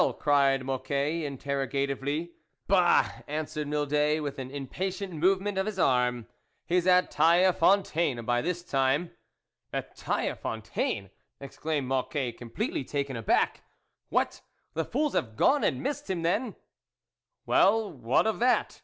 " cried Mocquet interroga tively. " Bah !" answered Mildet, with an im patient movement of his arm, " he's at Taille Fontaine by this time." " At Taille Fontaine !" exclaimed Moc quet, completely taken aback. " What ! the fools have gone and missed him, then !"" Well, what of that